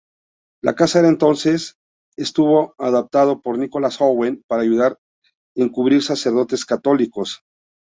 La casa era entonces estuvo adaptado por Nicholas Owen para ayudar encubrir sacerdotes católicos.